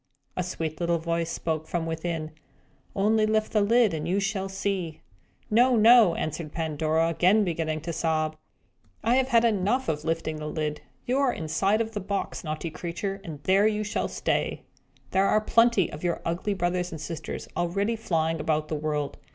A sweet little voice spoke from within "Only lift the lid, and you shall see." "No, no," answered Pandora, again beginning to sob, "I have had enough of lifting the lid! You are inside of the box, naughty creature, and there you shall stay! There are plenty of your ugly brothers and sisters already flying about the world.